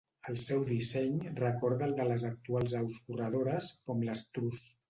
El seu disseny recorda al de les actuals aus corredores, com l'estruç.